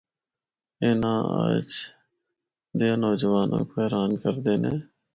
اے ناں اجّ دیاں نوجواناں کو حیران کرّدے نے۔